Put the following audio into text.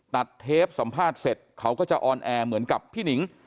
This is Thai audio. เทปสัมภาษณ์เสร็จเขาก็จะออนแอร์เหมือนกับพี่หนิง